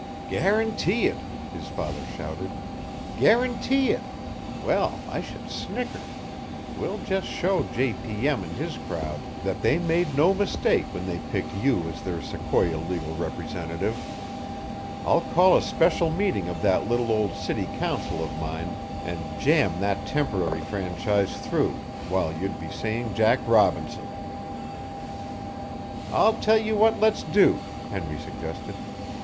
"Guarantee it!" his father shouted. "Guarantee it! Well, I should snicker! We'll just show J. P. M. and his crowd that they made no mistake when they picked you as their Sequoia legal representative. I'll call a special meeting of that little old city council of mine and jam that temporary franchise through while you'd be saying 'Jack Robinson!'" "I'll tell you what let's do," Henry suggested.